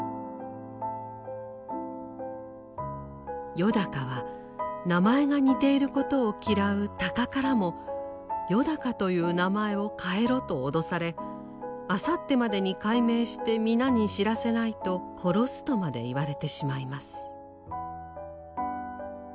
よだかは名前が似ていることを嫌う鷹からも「よだかという名前を変えろ」と脅され「あさってまでに改名して皆に知らせないと殺す」とまで言われてしまいます。